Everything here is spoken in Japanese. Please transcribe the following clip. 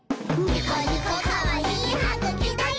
ニコニコかわいいはぐきだよ！」